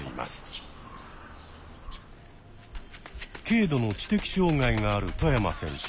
軽度の知的障害がある外山選手。